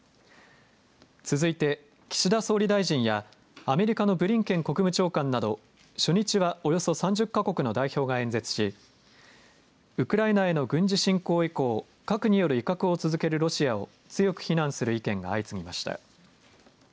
続いて岸田総理大臣やアメリカのブリンケン国務長官など初日はおよそ３０か国の代表が演説しウクライナへの軍事侵攻以降、核による威嚇を続けるロシアを強く非難する意見が相次ぎました。